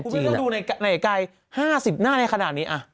คุณพี่ก็ดูหน่ายไกร๕๐หน้าได้ขนาดนี้